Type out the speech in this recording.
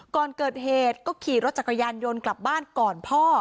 ก่อนเกิดเหตุก็ขี่รถจักรยานยนต์กลับบ้านก่อนพ่อ